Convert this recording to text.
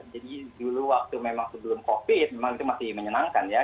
jadi dulu waktu memang sebelum covid memang itu masih menyenangkan ya